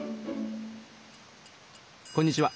こんにちは。